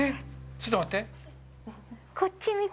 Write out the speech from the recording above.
ちょっと待って。